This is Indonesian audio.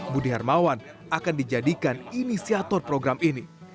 budi hermawan akan dijadikan inisiator program ini